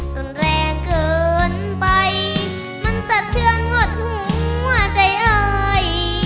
รุนแรงเกินไปมันสะเทือนหมดหัวใจอาย